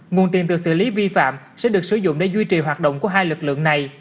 nguồn tiền từ xử lý vi phạm sẽ được sử dụng để duy trì hoạt động của hai lực lượng này